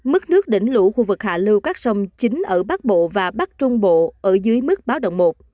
mức nước đỉnh lũ khu vực hạ lưu các sông chính ở bắc bộ và bắc trung bộ ở dưới mức báo động một